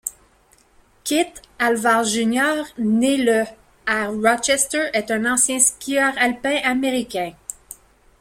Kitt, Alvar Junior né le à Rochester, est un ancien skieur alpin américain.